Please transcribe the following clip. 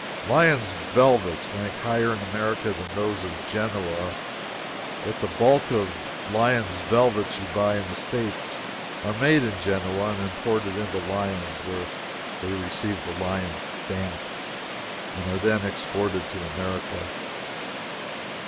Lyons velvets rank higher in America than those of Genoa. Yet the bulk of Lyons velvets you buy in the States are made in Genoa and imported into Lyons, where they receive the Lyons stamp and are then exported to America.